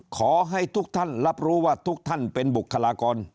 ขอให้ทุกท่านรับรู้ว่าทุกท่านเป็นบุคลากร